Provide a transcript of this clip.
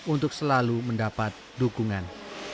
untuk selalu mendapat dukungan